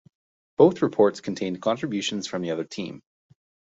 Both reports contained contributions from the other team.